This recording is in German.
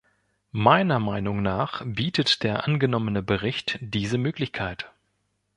Meiner Meinung nach bietet der angenommene Bericht diese Möglichkeit.